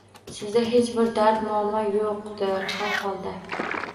Sizda hech bir dard, muammo yo`qdir har holda